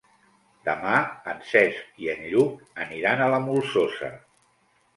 Demà en Cesc i en Lluc aniran a la Molsosa.